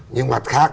nhưng mặt khác